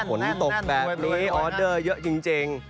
ฝนตกแบบนี้ออเดอร์เยอะจริง